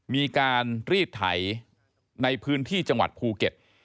มีการรีดไถในพื้นที่จังหวัดภูเก็ต